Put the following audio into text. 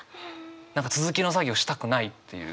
続きの作業したくないっていう。